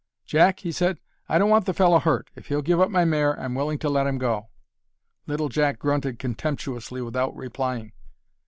"Jack," he said, "I don't want the fellow hurt. If he'll give up my mare I'm willing to let him go." Little Jack grunted contemptuously without replying.